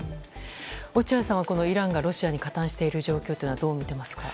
落合さんはイランがロシアに加担している状況どう見ていますか。